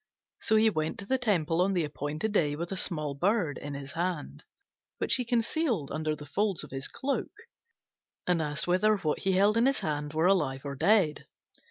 So he went to the temple on the appointed day with a small bird in his hand, which he concealed under the folds of his cloak, and asked whether what he held in his hand were alive or dead.